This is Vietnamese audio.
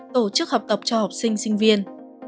tổ chức học tập cho học sinh sinh viên